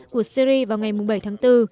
của syri vào ngày bảy tháng bốn